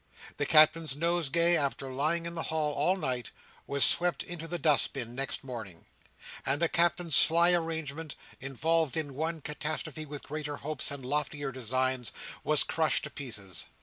The Captain's nosegay, after lying in the hall all night, was swept into the dust bin next morning; and the Captain's sly arrangement, involved in one catastrophe with greater hopes and loftier designs, was crushed to pieces.